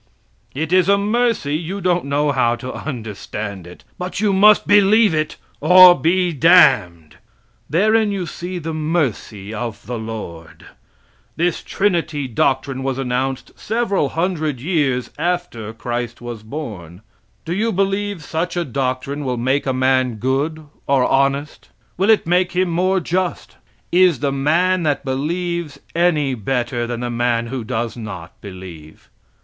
It is a mercy you don't know how to understand it, but you must believe it or be damned. Therein you see the mercy of the Lord. This trinity doctrine was announced several hundred years after Christ was born: Do you believe such a doctrine will make a man good or honest? Will it make him more just? Is the man that believes any better than the man who does not believe?